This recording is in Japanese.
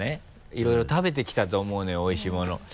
いろいろ食べてきたと思うのよおいしいもの。